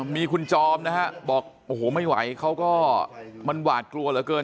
มีคุณจอมนะฮะบอกโอ้โหไม่ไหวเขาก็มันหวาดกลัวเหลือเกิน